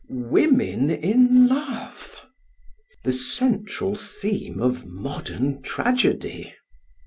Women in love! The central theme of modern tragedy!